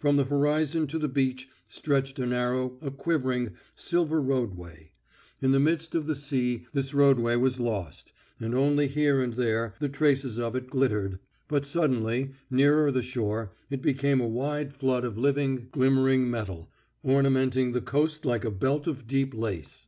From the horizon to the beach stretched a narrow, a quivering, silver roadway; in the midst of the sea this roadway was lost, and only here and there the traces of it glittered, but suddenly nearer the shore it became a wide flood of living, glimmering metal, ornamenting the coast like a belt of deep lace.